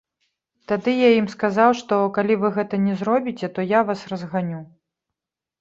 Тады я ім сказаў, што калі вы гэта не зробіце, то я вас разганю.